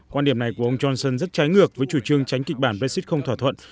quan điểm này của ông johnson rất trái ngược với chủ trương tránh kịch bản brexit không thỏa thuận